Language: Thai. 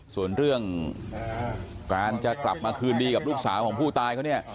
ส่วนเรื่องการจะกลับมาคืนดีกับลูกสาวของผู้ตายเขาเนี่ย